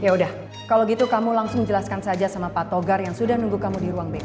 ya udah kalau gitu kamu langsung jelaskan saja sama pak togar yang sudah nunggu kamu di ruang bk